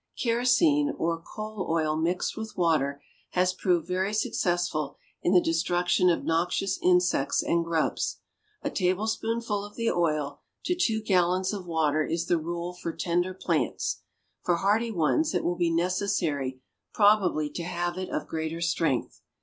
Kerosene or coal oil mixed with water has proved very successful in the destruction of noxious insects and grubs. A tablespoonful of the oil to two gallons of water is the rule for tender plants; for hardy ones it will be necessary probably to have it of greater strength.